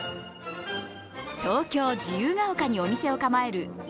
東京・自由が丘にお店を構えるい